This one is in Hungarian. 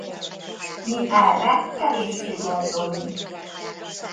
Mi erre kevéssé gondolunk.